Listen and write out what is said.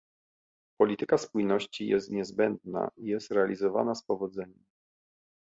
Polityka spójności jest niezbędna i jest realizowana z powodzeniem